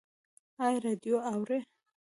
ایا راډیو اورئ؟